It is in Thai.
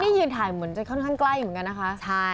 นี่ยืนถ่ายเหมือนจะค่อนข้างใกล้เหมือนกันนะคะ